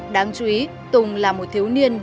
đáng chú ý tùng là một thiếu niên